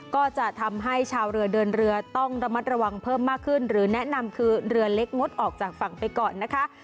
ก็จะทำให้ชาวเรือเดินเรือต้องระมัดระวังเพิ่มมากขึ้นหรือแนะนำคือเรือเล็กงดออกจากฝั่งไปก่อนนะคะ